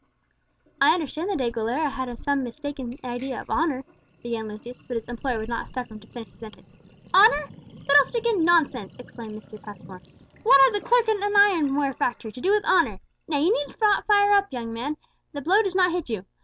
"I understand that De Aguilera had some mistaken idea of honour," began Lucius; but his employer would not suffer him to finish the sentence. "Honour! fiddlestick and nonsense!" exclaimed Mr. Passmore. "What has a clerk in an ironware factory to do with honour? Nay, you need not fire up, young man; the blow does not hit you.